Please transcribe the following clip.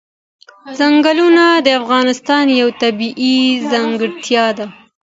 ځنګلونه د افغانستان یوه طبیعي ځانګړتیا ده.